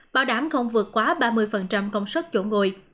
bảo đảm không vượt quá ba mươi công suất chỗ ngồi